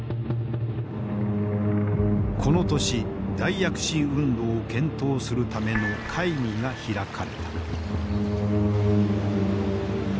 この年大躍進運動を検討するための会議が開かれた。